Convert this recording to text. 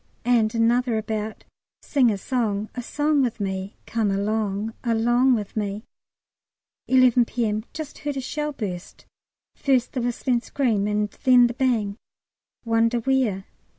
And another about "Sing a song a song with me. Come along along with me." 11 P.M. Just heard a shell burst, first the whistling scream, and then the bang wonder where?